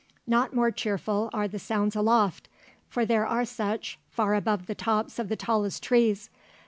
Not more cheerful are the sounds aloft: for there are such, far above the tops of the tallest trees.